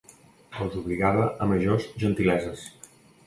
Els obligava a majors gentileses